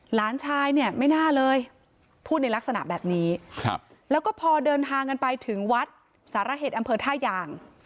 หลานชายเนี่ยไม่น่าเลยพูดในลักษณะแบบนี้แล้วก็พอเดินทางกันไปถึงวัดสารเหตุอำเภอท่ายาง